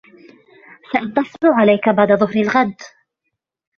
سأتصل عليك بعد ظهر الغد.